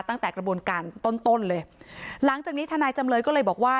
ตั้งแต่กระบวนการต้นต้นเลยหลังจากนี้ทนายจำเลยก็เลยบอกว่า